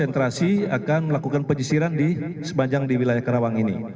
dan konsentrasi akan melakukan penyisiran di sepanjang di wilayah kerawang ini